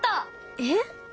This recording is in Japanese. えっ？